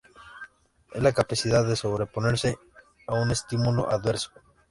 Es la capacidad de sobreponerse a un estímulo adverso.